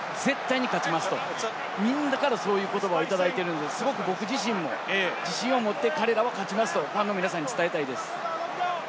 絶対に勝ちますと、みんなからそういう言葉をもらっているので、僕自身も自信を持って彼らは勝ちますとファンの皆さんに伝えたいです。